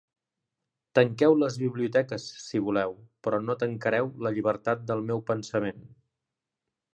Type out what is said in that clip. Tanqueu les biblioteques si voleu, però no tancareu la llibertat del meu pensament.